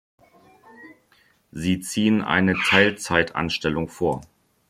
Sie ziehen eine Teilzeitanstellung vor.